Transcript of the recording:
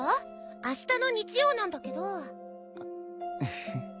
あしたの日曜なんだけど。